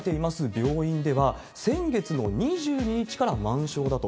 病院では、先月の２２日から満床だと。